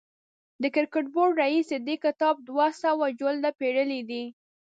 د کرکټ بورډ رئیس د دې کتاب دوه سوه جلده پېرلي دي.